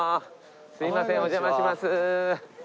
すいませんお邪魔します。